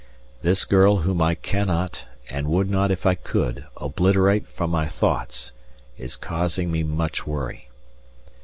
This girl whom I cannot, and would not if I could, obliterate from my thoughts, is causing me much worry.